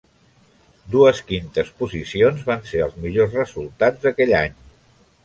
Dues quintes posicions van ser els millors resultats d'aquell any.